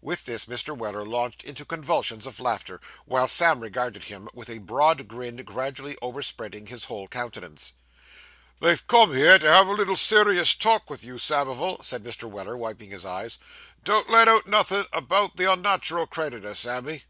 With this, Mr. Weller launched into convulsions of laughter, while Sam regarded him with a broad grin gradually over spreading his whole countenance. 'They've come to have a little serious talk with you, Samivel,' said Mr. Weller, wiping his eyes. 'Don't let out nothin' about the unnat'ral creditor, Sammy.